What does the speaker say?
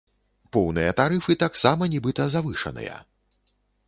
Поўныя тарыфы таксама нібыта завышаныя.